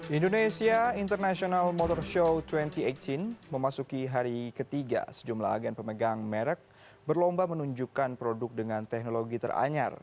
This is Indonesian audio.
indonesia international motor show dua ribu delapan belas memasuki hari ketiga sejumlah agen pemegang merek berlomba menunjukkan produk dengan teknologi teranyar